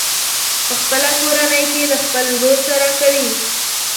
په خپله کورنۍ کې له خپل ورور سره کوي.